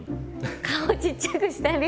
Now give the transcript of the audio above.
顔ちっちゃくしたり。